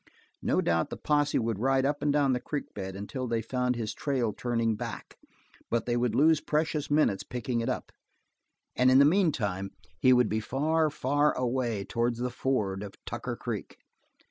No doubt the posse would ride up and down the creek bed until they found his trail turning back, but they would lose precious minutes picking it up, and in the meantime he would be far, far away toward the ford of Tucker Creek.